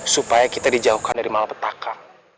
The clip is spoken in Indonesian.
supaya kita dijauhkan dari malapetaka